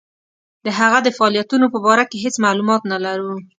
د هغه د فعالیتونو په باره کې هیڅ معلومات نه لرو.